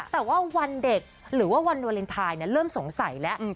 แต่ว่าวันเด็กหรือว่าวันวาเลนไทยเริ่มสงสัยแล้ว